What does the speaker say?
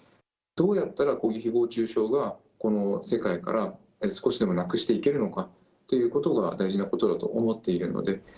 どうやったらこのひぼう中傷が、この世界から少しでもなくしていけるのかということが大事なこと